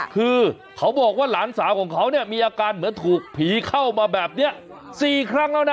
คือเขาบอกว่าหลานสาวของเขาเนี่ยมีอาการเหมือนถูกผีเข้ามาแบบนี้๔ครั้งแล้วนะ